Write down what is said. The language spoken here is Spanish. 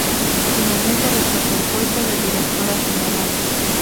Finalmente rechazó el puesto de Directora General.